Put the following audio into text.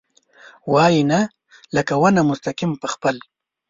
وايي ، نه ، لکه ونه مستقیم په خپل ...